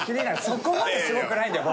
そこまですごくないんだよ